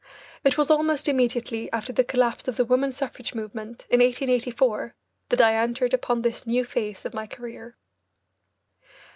It was almost immediately after the collapse of the woman suffrage movement in 1884 that I entered upon this new phase of my career.